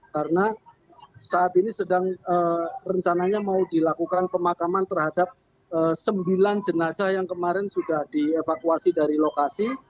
karena saat ini sedang rencananya mau dilakukan pemakaman terhadap sembilan jenazah yang kemarin sudah dievakuasi dari lokasi